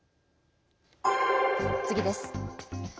次です。